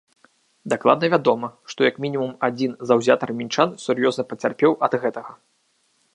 Дакладна вядома, што як мінімум адзін заўзятар мінчан сур'ёзна пацярпеў ад гэтага.